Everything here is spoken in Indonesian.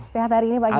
sehat hari ini pak kiai